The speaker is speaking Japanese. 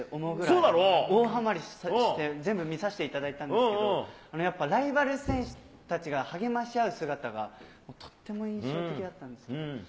大はまりして、全部見させていただいたんですけど、やっぱライバル選手たちが励まし合う姿がとっても印象的だったんです。